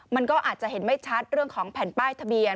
มันก็อาจจะเห็นไม่ชัดเรื่องของแผ่นป้ายทะเบียน